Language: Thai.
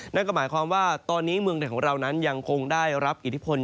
นั่นก็หมายความว่าตอนนี้เมืองไทยของเรานั้นยังคงได้รับอิทธิพล